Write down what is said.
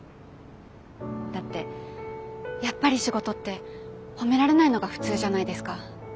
だってやっぱり仕事って褒められないのが普通じゃないですか。